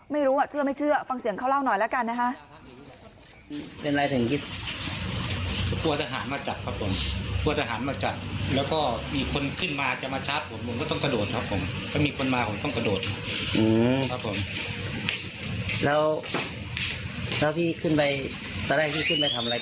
ไม่รู้เชื่อไม่เชื่อฟังเสียงเขาเล่าหน่อยแล้วกันนะคะ